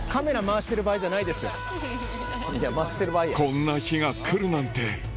「こんな日が来るなんて」